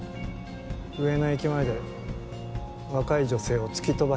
上野駅前で若い女性を突き飛ばしたとか。